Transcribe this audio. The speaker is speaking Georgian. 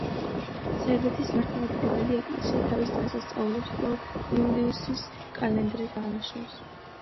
სერბეთის მართლმადიდებელი ეკლესია თავის დღესასწაულებს კვლავ იულიუსის კალენდრით აღნიშნავს.